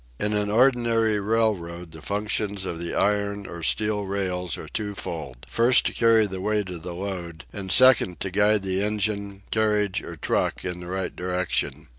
In an ordinary railroad the functions of the iron or steel rails are twofold, first to carry the weight of the load, and second to guide the engine, carriage or truck in the right direction.